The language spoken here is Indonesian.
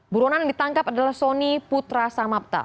buronan yang ditangkap adalah sony putra samapta